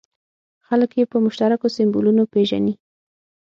خلک یې په مشترکو سیمبولونو پېژني.